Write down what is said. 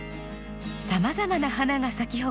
さまざまな花が咲き誇り